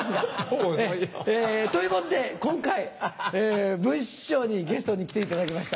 もう遅いよ。ということで今回文枝師匠にゲストに来ていただきました。